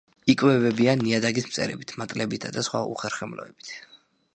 იკვებებიან ნიადაგის მწერებით, მატლებითა და სხვა უხერხემლოებით.